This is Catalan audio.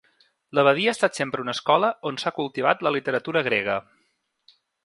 L'abadia ha estat sempre una escola on s'ha cultivat la literatura grega.